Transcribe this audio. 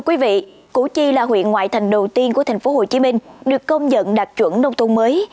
quý vị củ chi là huyện ngoại thành đầu tiên của tp hcm được công nhận đạt chuẩn nông thôn mới